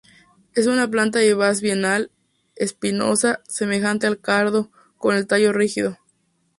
Es una planta vivaz bienal, espinosa, semejante al cardo, con el tallo rígido.